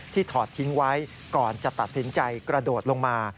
ถอดทิ้งไว้ก่อนจะตัดสินใจกระโดดลงมา